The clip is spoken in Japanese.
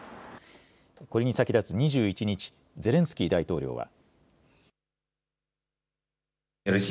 これに先立つ２１日、ゼレンスキー大統領は。